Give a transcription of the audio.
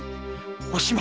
おしま！